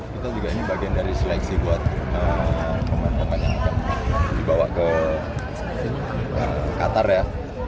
kita juga ini bagian dari seleksi buat pemain pemain yang akan dibawa ke qatar ya